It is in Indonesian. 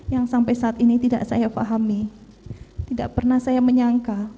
yang sampai saat ini tidak saya pahami tidak pernah saya menyangka